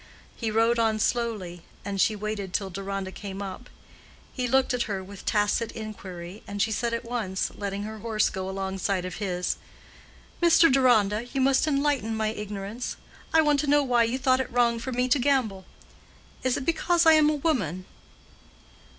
He rode on slowly, and she waited till Deronda came up. He looked at her with tacit inquiry, and she said at once, letting her horse go alongside of his, "Mr. Deronda, you must enlighten my ignorance. I want to know why you thought it wrong for me to gamble. Is it because I am a woman?"